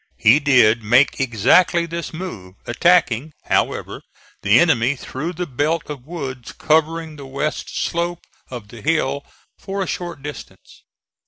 He did make exactly this move, attacking, however, the enemy through the belt of woods covering the west slope of the hill for a short distance.